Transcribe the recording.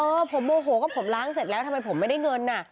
เออผมโมโหก็ผมล้างเสร็จแล้วทำไมผมไม่ได้เงินน่ะ